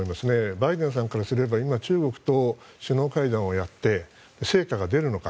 バイデンさんからすれば今、中国と首脳会談をやって成果が出るのか。